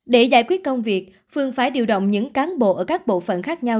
để giải quyết công việc phương phải điều động những cán bộ ở các bộ phận khác nhau